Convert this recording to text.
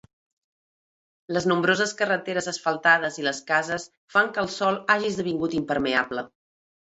Les nombroses carreteres asfaltades i les cases fan que el sòl hagi esdevingut impermeable.